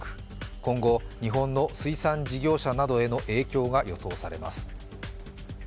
今後、日本の水産事業者などへの影響が予想されます。